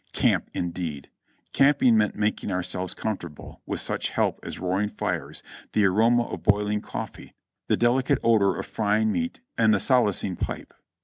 Camp, indeed ! Camping meant making ourselves comfortable with such help as roaring fires, the aroma of boiling cofTee, the delicate odor of frying meat, and the solacing pipe.